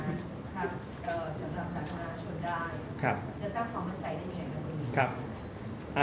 นี่สามารถให้ผู้มูลออกมาดูสำหรับสามารถชนได้